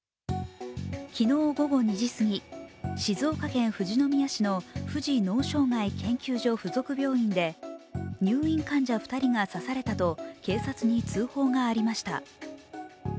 昨日午後２時過ぎ、静岡県富士宮市の富士脳障害研究所附属病院で入院患者２人が刺されたと警察に通報がありました。